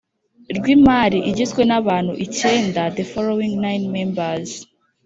rw Imari igizwe n abantu icyenda the following nine members